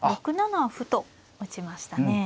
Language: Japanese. ６七歩と打ちましたね。